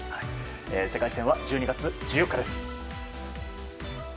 世界戦は１２月１４日です。